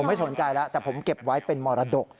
ไม่สนใจแล้วแต่ผมเก็บไว้เป็นมรดก